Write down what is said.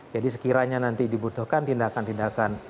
jadi sekiranya nanti dibutuhkan tindakan tindakan